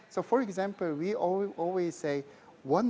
kita selalu mengatakan